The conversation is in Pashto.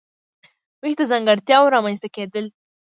وېش د ځانګړتیاوو رامنځته کیدل دي.